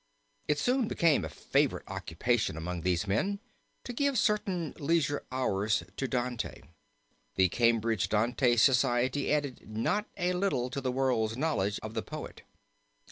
It soon became a favorite occupation among these men to give certain leisure hours to Dante. The Cambridge Dante society added not a little to the world's knowledge of the poet.